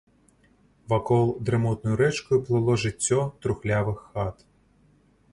Вакол дрымотнаю рэчкаю плыло жыццё трухлявых хат.